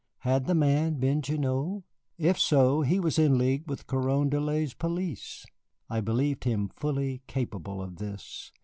Had the man been Gignoux? If so, he was in league with Carondelet's police. I believed him fully capable of this.